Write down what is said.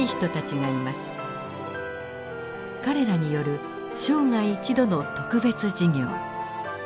彼らによる生涯一度の特別授業。